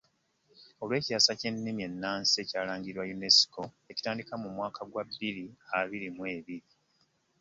Olw'ekyasa ky'ennimi ennansi ekyalangirirwa UNESCO ekitandika mu mwaka gwa bbiri abiri mu bbiri.